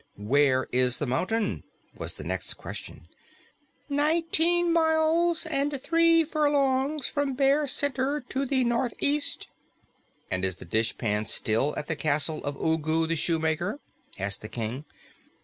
"Where is the mountain?" was the next question. "Nineteen miles and three furlongs from Bear Center to the northeast." "And is the dishpan still at the castle of Ugu the Shoemaker?" asked the King.